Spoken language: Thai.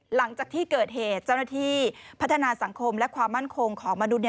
หลังจากที่เกิดเหตุเจ้าหน้าที่พัฒนาสังคมและความมั่นคงของมนุษย์